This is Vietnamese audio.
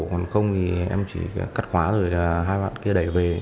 còn không thì em chỉ cắt khóa rồi là hai bạn kia đẩy về